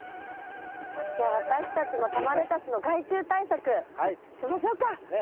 じゃあ私たちも玉レタスの害虫対策しましょうか！